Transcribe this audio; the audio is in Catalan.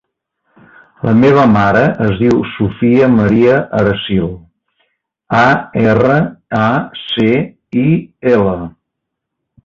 La meva mare es diu Sofia maria Aracil: a, erra, a, ce, i, ela.